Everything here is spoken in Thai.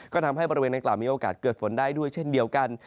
ก็ทำให้บริเวณดังกล่าวมีโอกาสเกิดฝนได้ด้วยเช่นเดียวกัน